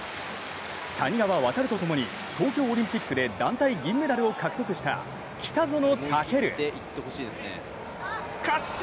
谷川航と共に東京オリンピックの団体銀メダルを獲得した北園丈琉。